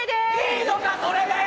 いいのかそれで！